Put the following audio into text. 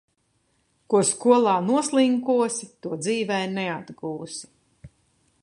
Ko skolā noslinkosi, to dzīvē neatgūsi.